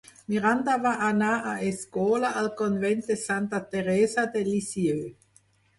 Miranda va anar a escola al Convent de santa Teresa de Lisieux.